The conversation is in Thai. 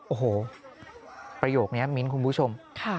โอ้โหประโยคนี้มิ้นคุณผู้ชม